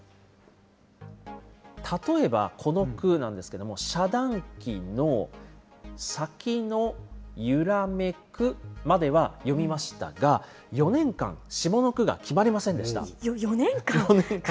例えばこの句なんですけども、遮断機の先のゆらめく、までは詠みましたが、４年間、下の句が決４年間？